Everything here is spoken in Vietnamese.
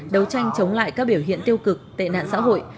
đấu tranh chống lại các biểu hiện tiêu cực tệ nạn xã hội